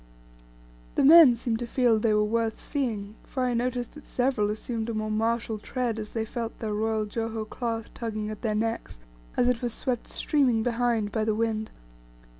The men seemed to feel they were worth seeing, for I noticed that several assumed a more martial tread as they felt their royal Joho cloth tugging at their necks, as it was swept streaming behind by the wind.